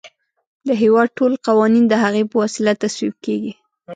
د هیواد ټول قوانین د هغې په وسیله تصویب کیږي.